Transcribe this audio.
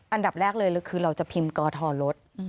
อันดับแรกเลยคือเราจะพิมพ์กอทอรถ